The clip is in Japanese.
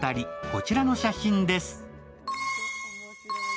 こちらの写真です。